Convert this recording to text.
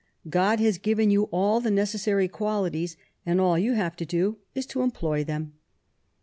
God has given you all the necessary qualities, and all you have to do is to employ them."